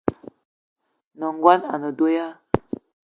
N’nagono a ne do ya ?